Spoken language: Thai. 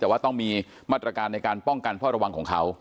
แต่ว่าต้องมีมาตรการในการป้องกันพ่อระวังของเขา